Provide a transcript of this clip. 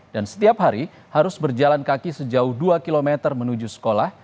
dan setiap hari harus berjalan kaki sejauh dua km menuju sekolah